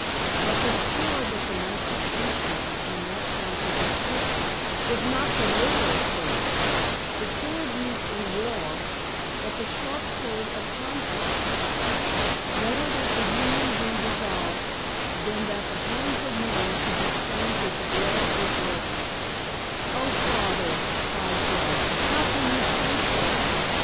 '" "But the 'sword' that the Master speaks of in that passage of Scripture is not the literal sword, the sword used in war, but the sharp sword of conscience. Better that the Union be dissolved than that the hands of men should be stained with the blood of their brethren." "Oh, Father," cried Joe, "how can you say so!